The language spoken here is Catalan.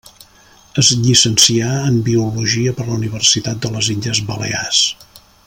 Es llicencià en biologia per la Universitat de les Illes Balears.